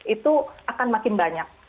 itu akan makin banyak